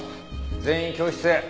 全員教室へ。